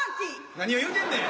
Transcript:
何を言うてんねん！